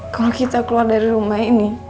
kalau kita keluar dari rumah ini